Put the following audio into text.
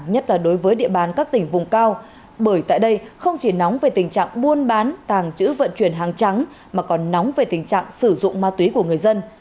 nhất là đối với địa bàn các tỉnh vùng cao bởi tại đây không chỉ nóng về tình trạng buôn bán tàng trữ vận chuyển hàng trắng mà còn nóng về tình trạng sử dụng ma túy của người dân